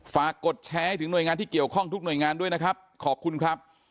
กดแชร์ให้ถึงหน่วยงานที่เกี่ยวข้องทุกหน่วยงานด้วยนะครับขอบคุณครับ